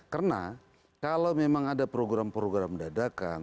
karena kalau memang ada program program dadakan